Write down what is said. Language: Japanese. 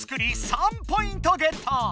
３ポイントゲット！